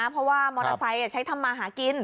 เพราะว่ามอเตอร์ไซค์ใช้ทำมาหากิน